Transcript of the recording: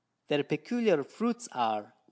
Their peculiar Fruits are, 1.